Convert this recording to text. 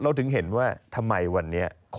ถึงเห็นว่าทำไมวันนี้